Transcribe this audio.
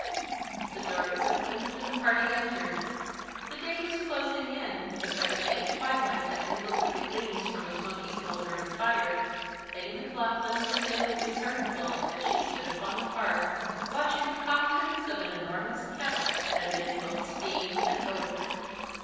The door was opened and the party entered. The day was closing in, but by the faint twilight that mingled with the gleams from a smoky smouldering fire, Lady Maclaughlan was dimly discernible, as she stood upon the hearth, watching the contents of an enormous kettle that emitted both steam and odour.